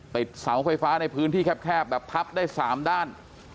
เสาไฟฟ้าในพื้นที่แคบแบบพับได้๓ด้าน